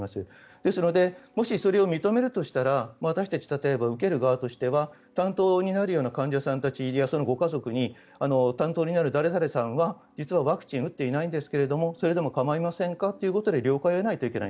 ですのでもしそれを認めるとしたら私たち、例えば受ける側としては担当になるような患者さんたちやご家族に担当になる誰々さんは実はワクチン打っていないけどそれでも構いませんかと了解を得ないといけない。